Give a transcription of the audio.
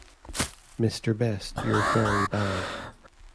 Mr. Best You're Very Bad.